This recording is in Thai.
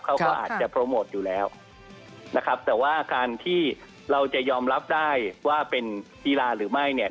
เขาก็อาจจะโปรโมทอยู่แล้วนะครับแต่ว่าการที่เราจะยอมรับได้ว่าเป็นกีฬาหรือไม่เนี่ย